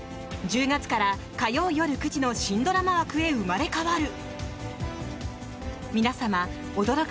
１０月から火曜夜９時の新ドラマ枠へ生まれ変わる。